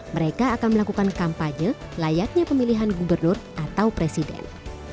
mereka akan melakukan kampanye layaknya pemilihan gubernur atau presiden